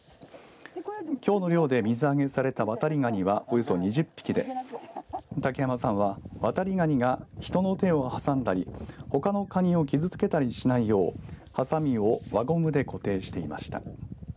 きょうの漁で水揚げされたワタリガニはおよそ２０匹で竹山さんはワタリガニが人の手を挟んだりほかのカニを傷付けたりしないようにはさみを輪ゴムで固定していました。